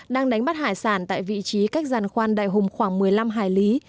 đang đánh bắt hải sản tại vị trí cách giàn khoan đại hùng khoảng một mươi năm hải lý